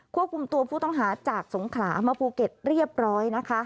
ควบคุมตัวผู้ต้องหาจากสงขลามาภูเก็ตเรียบร้อยนะคะ